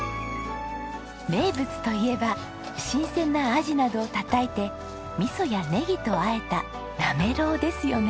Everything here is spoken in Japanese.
名物といえば新鮮なアジなどをたたいて味噌やネギとあえたなめろうですよね。